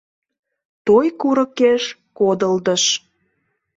Той курыкеш кодылдыш.